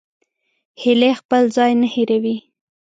هیلۍ خپل ځای نه هېروي